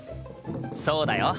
そうだよ。